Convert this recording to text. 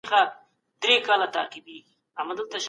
نړیوال څېړندود به زموږ کارونه اسانه کړي.